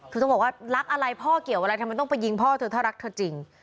คือต้องบอกว่ารักอะไรพ่อเกี่ยวอะไรทำไมต้องไปยิงพ่อเธอถ้ารักเธอจริง